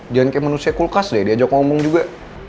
jangan kayak manusia kulkas deh diajak ngomong juga